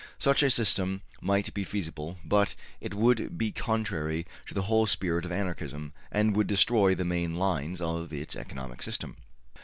Such a system might be feasible, but it would be contrary to the whole spirit of Anarchism and would destroy the main lines of its economic system.